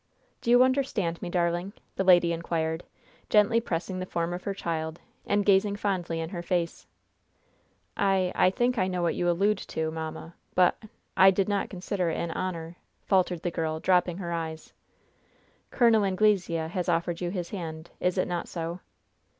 "Do you understand me, darling?" the lady inquired, gently pressing the form of her child, and gazing fondly in her face. "I I think I know what you allude to, mamma; but I did not consider it an honor," faltered the girl, dropping her eyes. "Col. Anglesea has offered you his hand. Is it not so?"